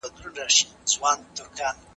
دا وخت لږ خطر لري.